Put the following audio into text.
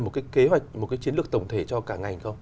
một cái kế hoạch một cái chiến lược tổng thể cho cả ngành không